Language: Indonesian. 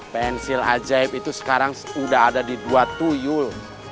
pensil ajaib itu sekarang sudah ada di dua tuyul